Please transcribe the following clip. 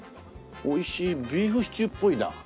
おいしいビーフシチューっぽいな。